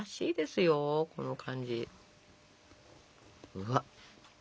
うわっ。